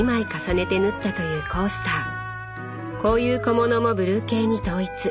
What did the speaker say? こういう小物もブルー系に統一。